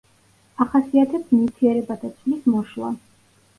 ახასიათებს ნივთიერებათა ცვლის მოშლა.